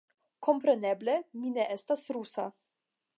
Kompreneble, mi ne estas rusa